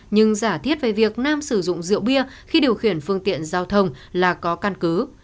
nhưng giả thiết về việc nam sử dụng rượu bia khi điều khiển phương tiện giao thông là có căn cứ